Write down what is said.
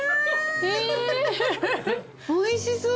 おいしそう。